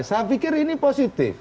saya pikir ini positif